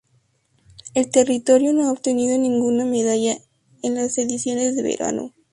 El territorio no ha obtenido ninguna medalla en las ediciones de verano.